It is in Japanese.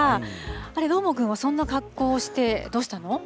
あれ、どーもくんはそんな格好をして、どうしたの？